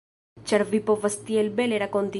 Ĉar vi povas tiel bele rakonti.